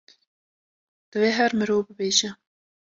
divê her mirov bibêje